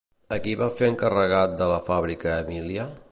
A qui va fer encarregat de la fàbrica Emília?